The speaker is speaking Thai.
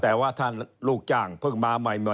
แต่ว่าถ้าลูกจ้างเพิ่งมาใหม่